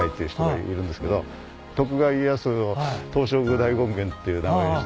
徳川家康を東照大権現っていう名前にした。